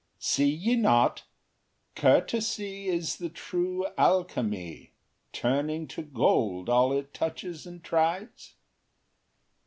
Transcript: See ye not, Courtesy Is the true Alchemy, Turning to gold all it touches and tries?